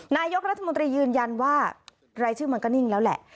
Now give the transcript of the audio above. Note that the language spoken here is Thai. นายกรัฐมนตรียืนยันว่ารายชื่อมันก็นิ่งแล้วแหละ